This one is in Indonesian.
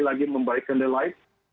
dan hari lagi membaikkan candle light